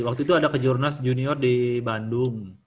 waktu itu ada ke jurnas junior di bandung